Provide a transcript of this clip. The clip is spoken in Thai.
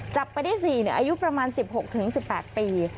จับไปได้สี่เนี่ยอายุประมาณสิบหกถึงสิบแปดปี